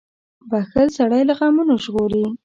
• بښل سړی له غمونو ژغوري.